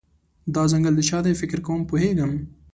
دا ځنګل د چا دی، فکر کوم پوهیږم